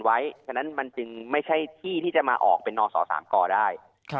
เพราะฉะนั้นมันจึงไม่ใช่ที่ที่จะมาออกเป็นนศ๓กได้